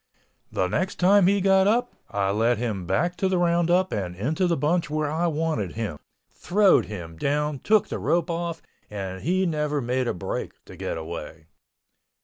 The next time he got up I led him back to the roundup and into the bunch where I wanted him, throwed him down, took the rope off, and he never made a break to get away.